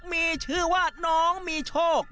มีชื่อว่าน้องมีโชค